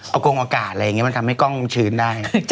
เอากงอากาศอะไรอย่างนี้มันทำให้กล้องชื้นได้